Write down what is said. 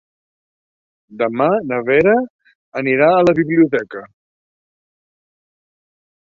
Demà na Vera anirà a la biblioteca.